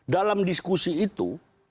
dalam diskusi itu